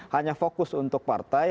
hanya fokus untuk partai